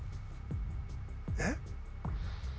えっ？